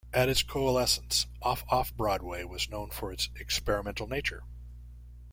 At its coalescence, Off-Off-Broadway was known for its experimental nature.